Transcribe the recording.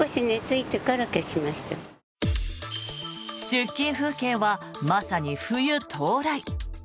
出勤風景はまさに冬到来。